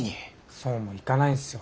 そうもいかないんすよ。